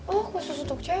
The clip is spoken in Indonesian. oh khusus untuk cewek